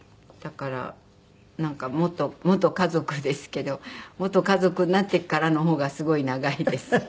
だからなんか元元家族ですけど元家族になってからの方がすごい長いです。